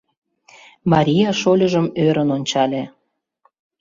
Мария шольыжым ӧрын ончале.